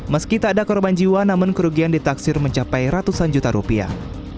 meski tak ada korban jiwa namun kerugian ditaksir mencapai ratusan juta rupiah